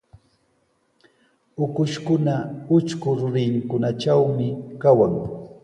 Ukushkuna utrku rurinkunatrawmi kawan.